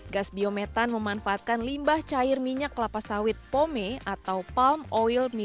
gas biometan memanfaatkan limbah cair minyak kelapa sawit pome atau palm oil mie